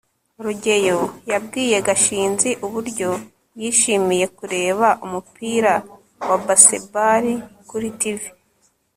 rugeyo yabwiye gashinzi uburyo yishimiye kureba umupira wa baseball kuri tv